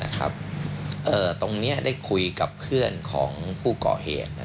ตรงนี้ได้คุยกับเพื่อนของผู้ก่อเหตุ